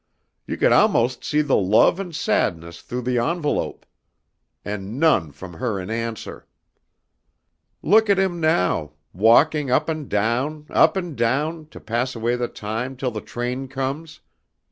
You could almost see the love and sadness through the envelope. And none from her in answer. "Look at him now. Walkin' up and down, up and down, to pass away the time till the train comes.